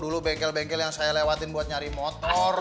dulu bengkel bengkel yang saya lewatin buat nyari motor